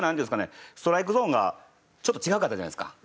ストライクゾーンがちょっと違うかったじゃないですか。